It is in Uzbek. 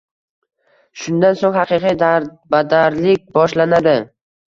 Shundan so`ng haqiqiy darbadarlik boshlanadi